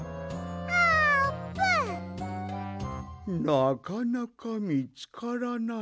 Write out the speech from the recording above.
なかなかみつからないねえ。